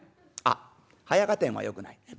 あっ早合点はよくない。